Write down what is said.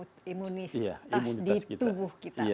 untuk imunitas di tubuh kita